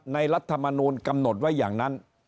รัฐมนูลกำหนดไว้อย่างนั้น